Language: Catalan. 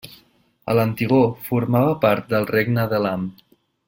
A l'antigor formava part del Regne d'Elam.